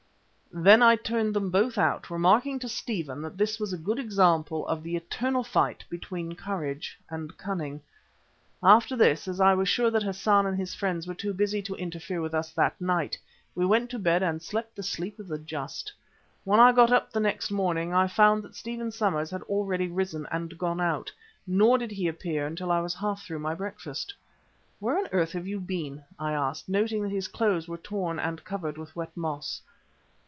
Then I turned them both out, remarking to Stephen that this was a good example of the eternal fight between courage and cunning. After this, as I was sure that Hassan and his friends were too busy to interfere with us that night, we went to bed and slept the sleep of the just. When I got up the next morning I found that Stephen Somers had already risen and gone out, nor did he appear until I was half through my breakfast. "Where on earth have you been?" I asked, noting that his clothes were torn and covered with wet moss.